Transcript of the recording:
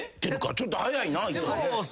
ちょっと早いなぁ。